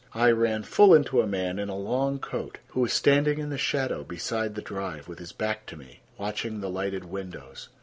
I ran full into a man in a long coat, who was standing in the shadow beside the drive, with his back to me, watching the lighted windows.